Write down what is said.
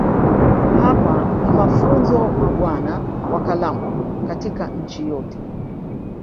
Hapa ni mafunzo mabwana wa kalamu katika nchi yote